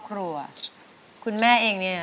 จะใช้หรือไม่ใช้ครับ